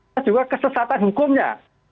dan juga kesesatan hukumnya